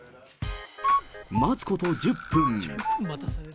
待つこと１０分。